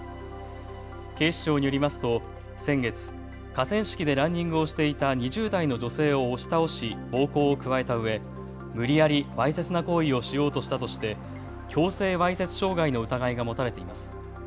警視庁によりますと先月、河川敷でランニングをしていた２０代の女性を押し倒し暴行を加えたうえ無理やりわいせつな行為をしようとしたとして強制わいせつ傷害の疑いが持たれています。